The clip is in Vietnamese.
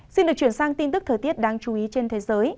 xin được chuyển sang tin tức thời tiết đáng chú ý trên thế giới